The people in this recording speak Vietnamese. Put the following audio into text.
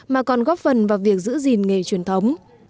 mà còn góp phần vào việc giữ gìn nghề truyền thống